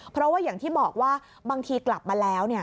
เพราะว่าอย่างที่บอกว่าบางทีกลับมาแล้ว